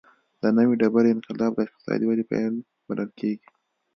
د نوې ډبرې انقلاب د اقتصادي ودې پیل بلل کېږي.